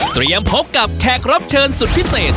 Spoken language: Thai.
เตรียมพบกับแขกรับเชิญสุดพิเศษ